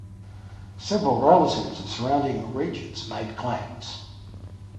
Several relatives of surrounding regions made claims.